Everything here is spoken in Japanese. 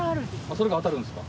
それが当たるんですか？